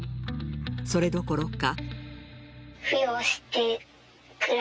それどころか。